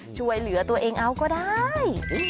ช่วยเหลือตัวเองเอาก็ได้